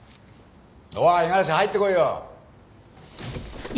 おい五十嵐入ってこいよ。